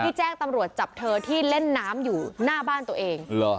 แจ้งตำรวจจับเธอที่เล่นน้ำอยู่หน้าบ้านตัวเอง